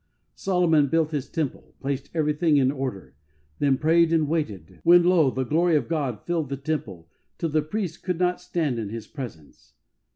Solomon built his temple, placed everything in order, then prayed and waited, when lo ! the glory of God filled the temple till the priests could not stand in His presence.